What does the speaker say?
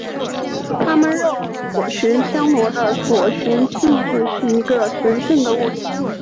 他们认为左旋香螺的左旋性质是一个神圣的物体。